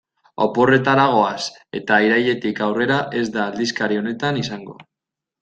Oporretara goaz eta irailetik aurrera ez da aldizkari honetan izango.